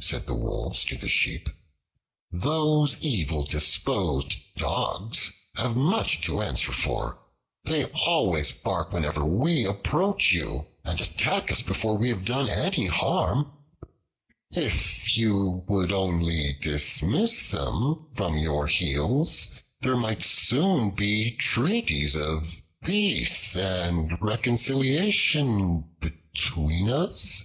said the Wolves to the Sheep. "Those evil disposed Dogs have much to answer for. They always bark whenever we approach you and attack us before we have done any harm. If you would only dismiss them from your heels, there might soon be treaties of peace and reconciliation between us."